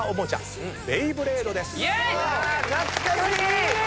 懐かしい！